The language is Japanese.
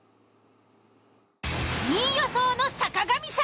２位予想の坂上さん！